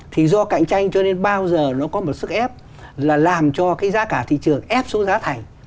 thì do cạnh tranh cho nên bao giờ nó có một sức ép là làm cho cái giá cả thị trường ép xuống giá thành